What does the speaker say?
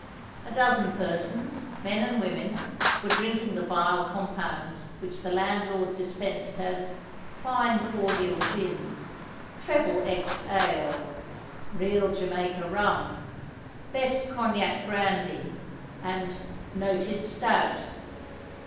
A dozen persons, men and women, were drinking the vile compounds which the landlord dispensed as "Fine Cordial Gin," "Treble X Ale," "Real Jamaica Rum," "Best Cognac Brandy," and "Noted Stout."